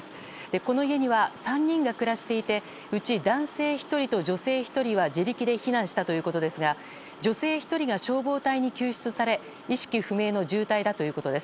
この家には３人が暮らしていてうち男性１人と女性１人は自力で避難したということですが女性１人が消防隊に救出され意識不明の重体だということです。